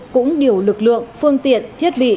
cũng điều lực lượng phương tiện thiết bị